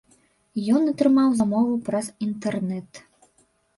Ён атрымаў замову праз інтэрнэт.